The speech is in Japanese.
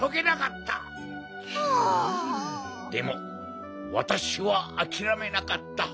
でもわたしはあきらめなかった。